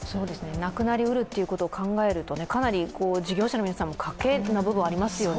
なくなりうることを考えると、かなり事業者の皆さんも賭けのようなものがありますよね。